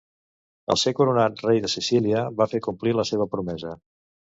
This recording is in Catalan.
Al ser coronat rei de Sicília, va fer complir la seva promesa.